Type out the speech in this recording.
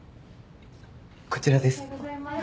こちらです。